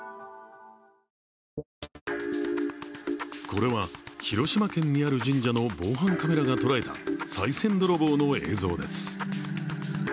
これは広島県にある神社の防犯カメラが捉えたさい銭泥棒の映像です。